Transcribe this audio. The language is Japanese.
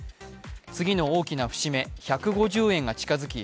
次の大きな節目、１５０円が近づき